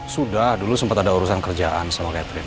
sudah dulu sempat ada urusan kerjaan sama catherine